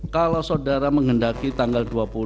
kalau saudara menghendaki tanggal dua puluh